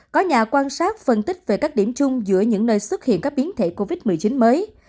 có nhà quan sát phân tích về các điểm chung giữa những nơi xuất hiện các biến thể covid một mươi chín mới